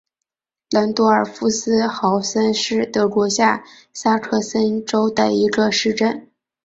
兰多尔夫斯豪森是德国下萨克森州的一个市镇。